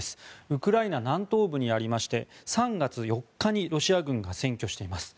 ウクライナ南東部にありまして３月４日にロシア軍が占拠しています。